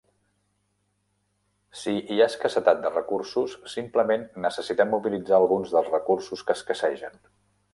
Si hi ha escassetat de recursos, simplement necessitem mobilitzar alguns dels recursos que escassegen.